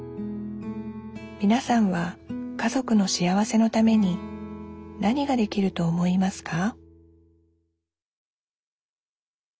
みなさんは家族の幸せのために何ができると思いますか？